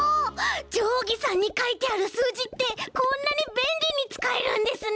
じょうぎさんにかいてあるすうじってこんなにべんりにつかえるんですね！